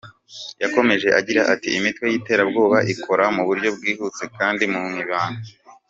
Yakomeje agira ati “Imitwe y’iterabwoba ikora mu buryo bwihuse kandi mu ibanga.